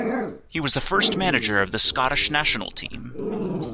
He was the first manager of the Scottish national team.